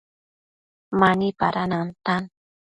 Mani pada nantan